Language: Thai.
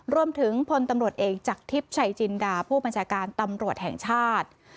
พลตำรวจเอกจากทิพย์ชัยจินดาผู้บัญชาการตำรวจแห่งชาติ